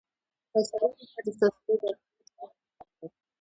د کچالو ریښه د سوځیدو د درملنې لپاره وکاروئ